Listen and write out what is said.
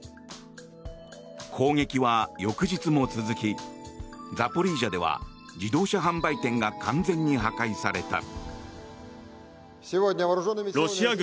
攻撃は翌日も続きザポリージャでは自動車販売店が完全に破壊された。